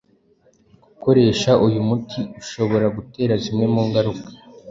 Gukoresha uyu muti ushobora gutera zimwe mu ngaruka